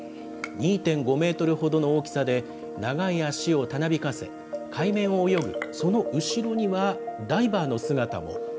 ２．５メートルほどの大きさで、長い足をたなびかせ、海面を泳ぐその後ろには、ダイバーの姿も。